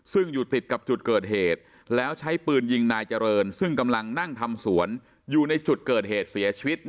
ซึ่งอยู่ติดกับจุดเกิดเหตุแล้วใช้ปืนยิงนายเจริญซึ่งกำลังนั่งทำสวนอยู่ในจุดเกิดเหตุเสียชีวิต